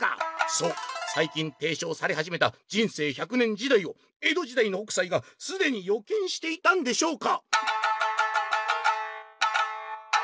「そうさい近ていしょうされはじめた『人生１００年時代』を江戸時代の北斎がすでに予見していたんでしょうか⁉」。